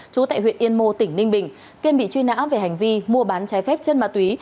trú tại huyện yên mô tỉnh ninh bình kiên bị truy nã về hành vi mua bán trái phép chân ma túy